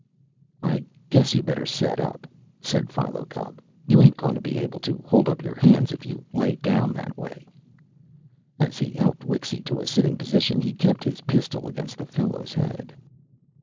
"I guess you'd better set up," said Philo Gubb. "You ain't goin' to be able to hold up your hands if you lay down that way." As he helped Wixy to a sitting position, he kept his pistol against the fellow's head.